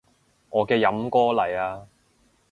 我嘅飲歌嚟啊